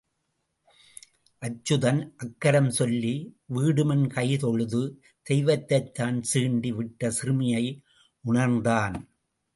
அச்சுதன் அக்கரம் சொல்லி வீடுமன் கை தொழுது தெய்வத்தைத்தான் சீண்டி விட்ட சிறுமையை உணர்ந்தான்.